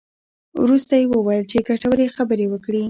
وروسته یې وویل چې ګټورې خبرې وکړې.